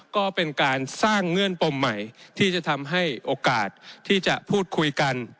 ก็เป็นการสร้างเงื่อนปมใหม่ที่จะทำให้โอกาสที่จะพูดคุยกัน